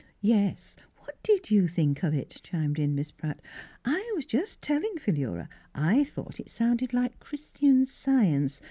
"Yes, what did you think of it?'' chim.ed in Miss Pratt. " I was just tell ing Philura I thought it sounded like Christian Science.